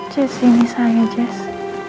jess ini saya jess